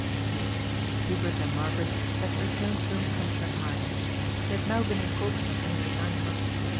Yes, Hubert and Margaret had returned home from Shanghai. They had now been in Koopstad nearly nine months.